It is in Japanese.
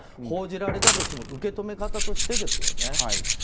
報じられたとしても受け止め方としてですよね。